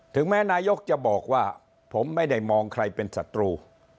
ถึงแม้นายกจะบอกว่าผมไม่ได้มองใครเป็นศัตรู